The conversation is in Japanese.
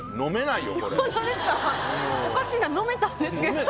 ホントですかおかしいな飲めたんですけど。